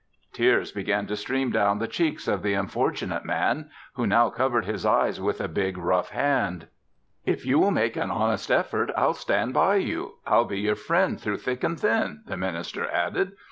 Tears began to stream down the cheeks of the unfortunate man, who now covered his eyes with a big, rough hand. "If you will make an honest effort, I'll stand by you. I'll be your friend through thick and thin," the minister added.